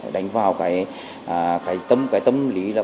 đánh vào cái tâm lý